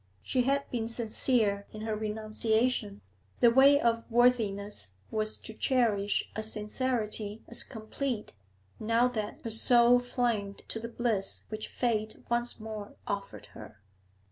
She had been sincere in her renunciation; the way of worthiness was to cherish a sincerity as complete now that her soul flamed to the bliss which fate once more offered her.